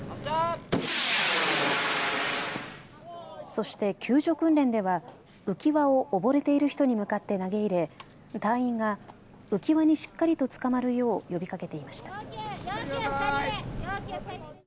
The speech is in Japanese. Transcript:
そして救助訓練では浮き輪を溺れている人に向かって投げ入れ隊員が浮き輪にしっかりとつかまるよう呼びかけていました。